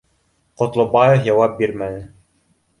Ҡотлобаев яуап бирмәне